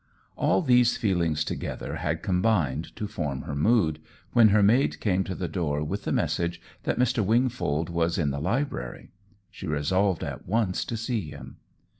All these feelings together had combined to form her mood, when her maid came to the door with the message that Mr. Wingfold was in the library. She resolved at once to see him.